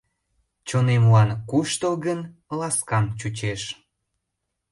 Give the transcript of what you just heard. Чонемлан куштылгын, ласкан чучеш.